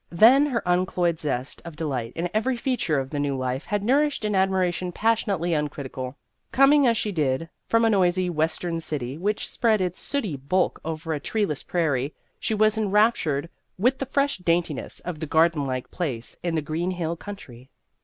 Then her uncloyed zest of de light in every feature of the new life had nourished an admiration passionately un critical. Coming, as she did, from a noisy Western city which spread its sooty bulk over a treeless prairie, she was enraptured with the fresh daintiness of the garden like place in the green hill country.